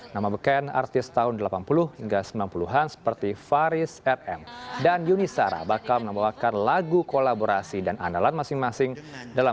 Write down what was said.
nama beken artis tahun delapan puluh hingga sembilan puluh an seperti faris rm dan yuni sara bakal menambahkan lagu kolonial